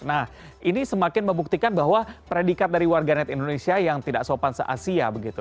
nah ini semakin membuktikan bahwa predikat dari warganet indonesia yang tidak sopan se asia begitu